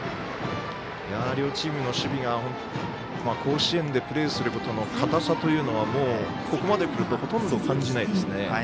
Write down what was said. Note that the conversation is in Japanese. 両チームの守備が甲子園でプレーすることの硬さというのは、ここまで来るとほとんど感じないですね。